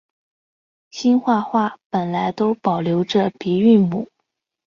兴化话本来都保留着的鼻韵母。